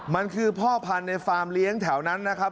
มันคือพ่อพันธุ์ในฟาร์มเลี้ยงแถวนั้นนะครับ